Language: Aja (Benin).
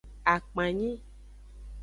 Akpanyi.